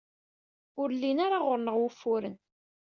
Ur llin ara ɣer-neɣ wufuren.